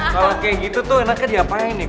kalau kayak gitu tuh enaknya diapain nih